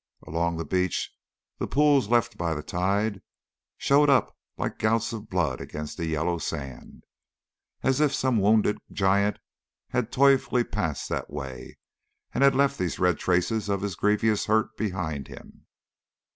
Along the beach the pools left by the tide showed up like gouts of blood against the yellow sand, as if some wounded giant had toilfully passed that way, and had left these red traces of his grievous hurt behind him.